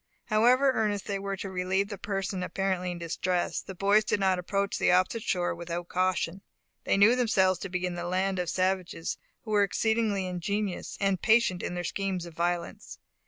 However earnest they were to relieve the person apparently in distress, the boys did not approach the opposite shore without caution. They knew themselves to be in the land of savages, who were exceedingly ingenious and patient in their schemes of violence.